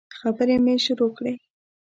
خبري مي شروع کړې !